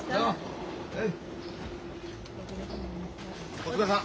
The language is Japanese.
お疲れさん。